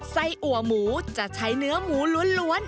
ไส้อัวหมูจะใช้เนื้อหมูล้วน